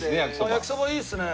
焼きそばいいですね。